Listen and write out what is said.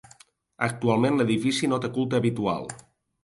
Actualment l'edifici no té culte habitual.